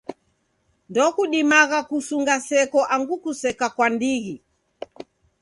Ndokudimagha kusunga seko angu kuseka kwa ndighi.